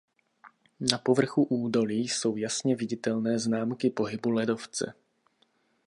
Na povrchu údolí jsou jasně viditelné známky pohybu ledovce.